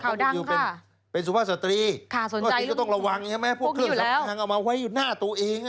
ข่าวดังค่ะค่ะสนใจคือต้องระวังพวกเครื่องสับการณ์เอามาไว้อยู่หน้าตัวเอง